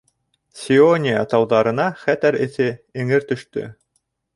Сиония тауҙарына хәтәр эҫе эңер төштө.